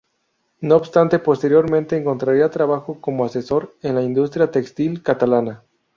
No obstante, posteriormente encontraría trabajo como asesor en la industria textil catalana.